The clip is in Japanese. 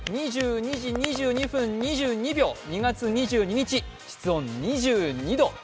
２２時２２分２２秒２月２２日室温２２度。